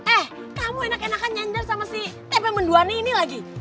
eh kamu enak enakan nyander sama si tempe menduani ini lagi